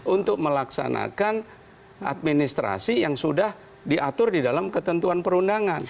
untuk melaksanakan administrasi yang sudah diatur di dalam ketentuan perundangan